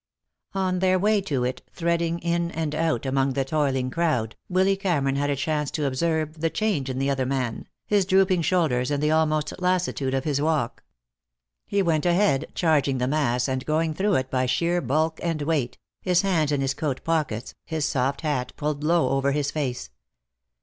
On their way to it, threading in and out among the toiling crowd, Willy Cameron had a chance to observe the change in the other man, his drooping shoulders and the almost lassitude of his walk. He went ahead, charging the mass and going through it by sheer bulk and weight, his hands in his coat pockets, his soft hat pulled low over his face.